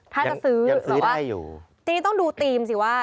ถ้าจะซื้อหรือว่าจีนต้องดูธีมสิว่า